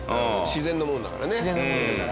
自然のものだから。